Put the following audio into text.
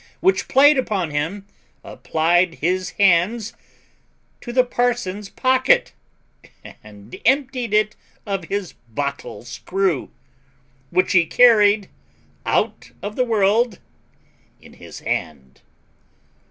which played upon him, applied his hands to the parson's pocket, and emptied it of his bottle screw, which he carried out of the world in his hand.